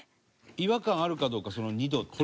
違和感あるかどうかその２度って。